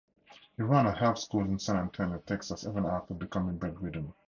He ran a health school in San Antonio, Texas even after becoming bedridden.